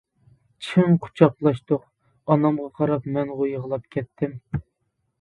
چىڭ قۇچاقلاشتۇق، ئانامغا قاراپ مەنغۇ يىغلاپ كەتتىم.